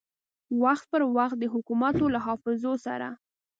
وخت پر وخت د حکومتو له حافظو سه